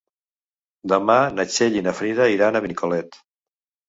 Demà na Txell i na Frida iran a Benicolet.